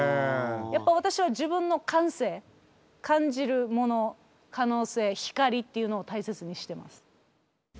やっぱ私は自分の感性感じるもの可能性光っていうのを大切にしてます。